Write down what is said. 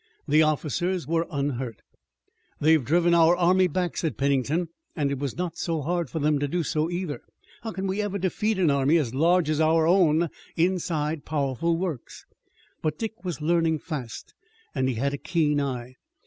The officers were unhurt. "They've driven our army back," said Pennington, "and it was not so hard for them to do it either. How can we ever defeat an army as large as our own inside powerful works?" But Dick was learning fast and he had a keen eye.